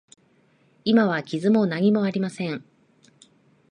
今は傷も何もありません。